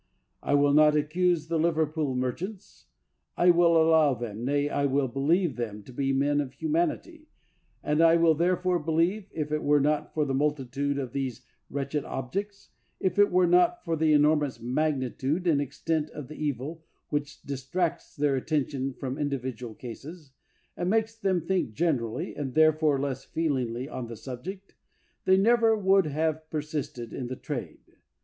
I will not accuse the Liverpool merchants. I will allow them, nay, I will believe them, to be men of humanity ; and I will therefore believe, if it were not for the multitude of these wretched objects, if it were not for the enormous magnitude and extent of the evil which distracts their attention from in 62 WILBERFORCE dividual cases, and makes them think generally, and therefore less feelingly on the subject, they never would have persisted in the trade.